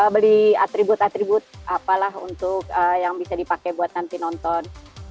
beli atribut atribut apalah untuk yang bisa dipakai buat nanti nonton